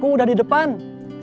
kamu duduk dulu di teras